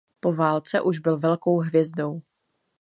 Po válce už byl velkou hvězdou.